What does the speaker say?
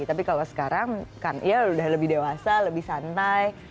tapi kalau sekarang kan ya udah lebih dewasa lebih santai